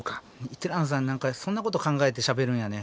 ティラノさん何かそんなこと考えてしゃべるんやね。